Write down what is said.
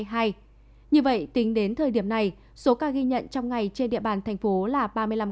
như vậy tính đến thời điểm này số ca ghi nhận trong ngày trên địa bàn thành phố là ba mươi năm ca